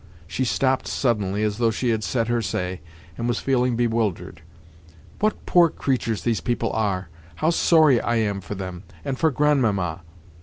She stopped suddenly, as though she had said her say, and was feeling bewildered. "What poor creatures these people are. How sorry I am for them, and for Grandmamma!